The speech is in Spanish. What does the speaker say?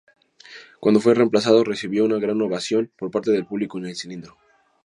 Cuando fue reemplazado, recibió una gran ovación por parte del público en El Cilindro.